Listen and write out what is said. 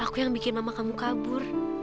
aku yang bikin mama kamu kabur